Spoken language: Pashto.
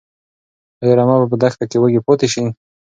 ايا رمه به په دښته کې وږي پاتې شي؟